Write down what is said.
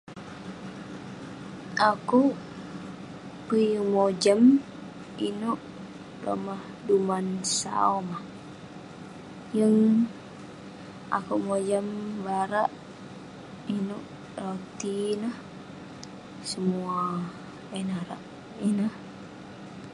Akouk peh yeng mojam, inouk lomah dumah sau mah. yeng akouk mojam barak inouk roti neh semuah eh narak ineh.